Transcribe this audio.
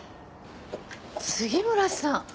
杉村さん。